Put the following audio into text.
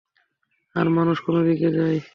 আর মানুষ কোনদিকে যায়?